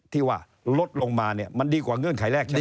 ที่ว่าลดลงมาเนี่ยมันดีกว่าเงื่อนไขแรกนี้